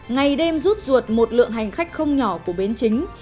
ngày đêm rút ruột một lượng hành khách không nhỏ của bến chính